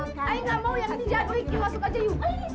terima kasih iya makasih makasih